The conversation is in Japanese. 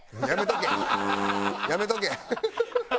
やめとけ。